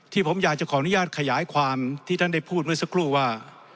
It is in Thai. ที่ผมอยากจะขออนุญาตขยายความที่ท่านได้พูดเมื่อสักครู่ว่า